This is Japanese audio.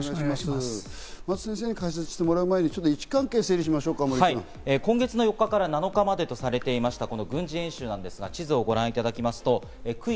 先生に解説してもらう前に一今月４日から７日までとされていました軍事演習なんですが、地図をご覧いただきます。